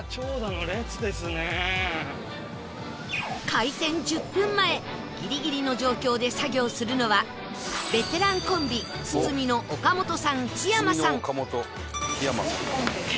開店１０分前ギリギリの状況で作業するのはベテランコンビ包みの岡本さん檜山さん